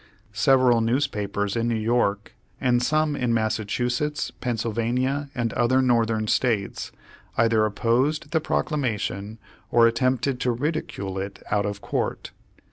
Several newspapers in New York, and some in Massachusetts, Pennsylvania, and other Northern States, either opposed the Proclamation, or at tempted to ridicule it out of court.